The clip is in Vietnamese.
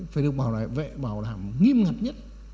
phải được bảo đảm nghiêm ngặt nhất